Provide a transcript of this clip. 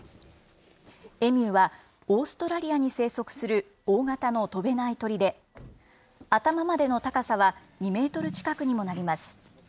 エミューは、オーストラリアに生息する大型の飛べない鳥で、頭までの高さは２メートル近くにもなります。